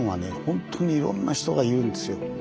ほんとにいろんな人がいるんですよ。